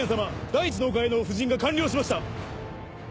第一の丘への布陣が完了しました。